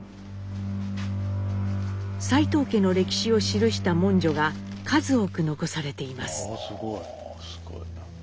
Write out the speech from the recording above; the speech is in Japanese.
齋藤家の歴史を記した文書が数多く残されています。